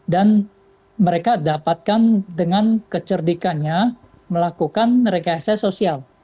dan mereka dapatkan dengan kecerdikannya melakukan rekesa sosial